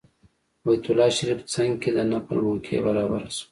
بیت الله شریف څنګ کې د نفل موقع برابره شوه.